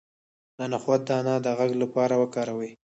د نخود دانه د غږ لپاره وکاروئ